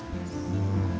うん。